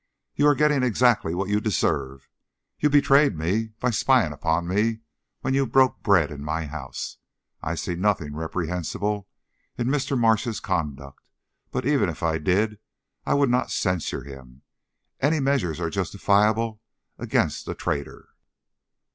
"You are getting exactly what you deserve. You betrayed me by spying upon me while you broke bread in my house. I see nothing reprehensible in Mr. Marsh's conduct; but even if I did, I would not censure him; any measures are justifiable against a traitor."